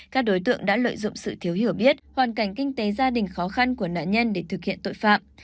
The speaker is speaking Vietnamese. các đối tượng đã lợi dụng sự thiếu hiểu biết hoàn cảnh kinh tế gia đình khó khăn của nạn nhân để thực hiện tội phạm